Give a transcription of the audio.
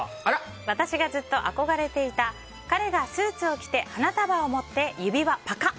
私がずっと憧れていた彼がスーツを着て花束を持って指輪パカッ。